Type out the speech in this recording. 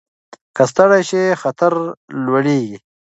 که ستړي شئ خطر لوړېږي.